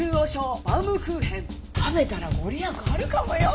食べたら御利益あるかもよ！